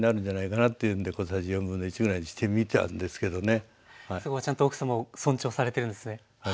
一番納得のそこはちゃんと奥さまを尊重されてるんですね。